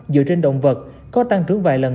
dựa trên động vật có tăng trưởng vài lần